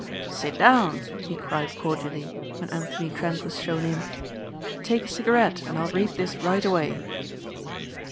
"Sit down," he cried cordially, when Anthony Trent was shown in. "Take a cigarette and I'll read this right away."